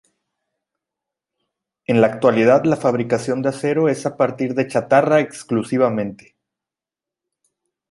En la actualidad la fabricación de acero es a partir de chatarra exclusivamente.